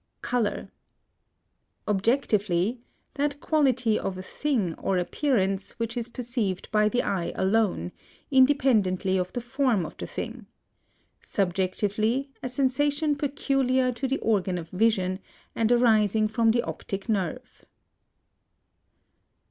COLOR. Objectively, that quality of a thing or appearance which is perceived by the eye alone, independently of the form of the thing; subjectively, a sensation peculiar to the organ of vision, and arising from the optic nerve.